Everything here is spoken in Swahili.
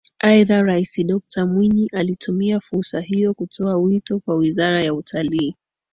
Aidha Rais Dokta Mwinyi alitumia fursa hiyo kutoa wito kwa Wizara ya Utalii